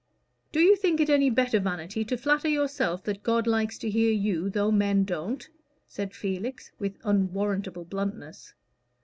"Do you think it any better vanity to flatter yourself that God likes to hear you, though men don't?" said Felix, with unwarrantable bluntness.